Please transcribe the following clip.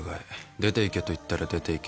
出てけと言ったら出ていけ。